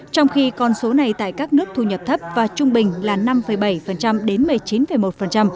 trong khi con số này tại các nước thu nhập thấp và trung bình là năm bảy đến một mươi chín một